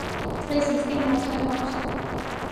დღეს ისტი მეოთხე გვაქვს